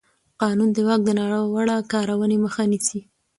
قانون د واک د ناوړه کارونې مخه نیسي.